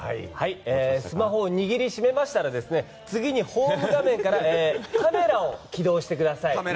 スマホを握りしめましたら次に、ホーム画面からカメラを起動してください。